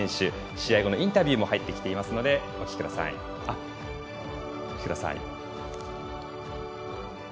試合後のインタビューも入ってきていますのでお聞きください。